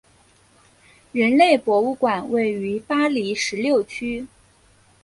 人类博物馆位于巴黎十六区。